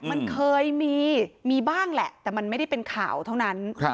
มันเคยมีมีบ้างแหละแต่มันไม่ได้เป็นข่าวเท่านั้น